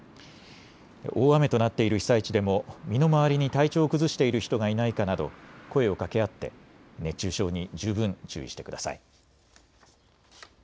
大雨となっている被災地でも身の回りに体調を崩している人がいないかなど声をかけ合って熱中症に十分注意してください。